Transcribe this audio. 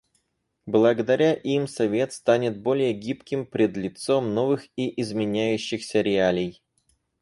Благодаря им Совет станет более гибким пред лицом новых и изменяющихся реалий.